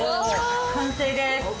完成です。